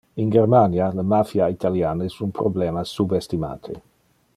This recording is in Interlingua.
In Germania le mafia italian es un problema subestimate.